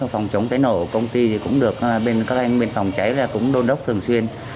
phòng chống cháy nổ của công ty cũng được các anh bên phòng cháy đồn đốc thường xuyên